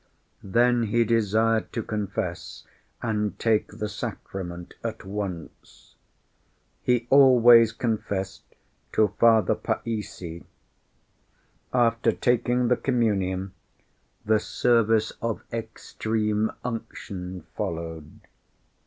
Then he desired to confess and take the sacrament at once. He always confessed to Father Païssy. After taking the communion, the service of extreme unction followed.